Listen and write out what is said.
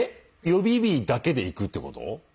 予備日だけでいくってこと？